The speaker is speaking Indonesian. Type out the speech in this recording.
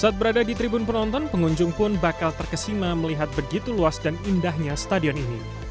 saat berada di tribun penonton pengunjung pun bakal terkesima melihat begitu luas dan indahnya stadion ini